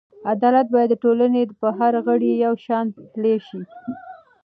عدالت باید د ټولنې په هر غړي یو شان پلی شي.